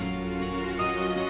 saya hanya dia